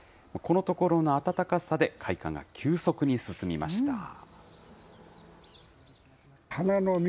このところの暖かさで、開花が急速に進みました。